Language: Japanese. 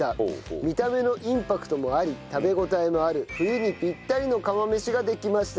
見た目のインパクトもあり食べ応えのある冬にピッタリの釜飯ができました。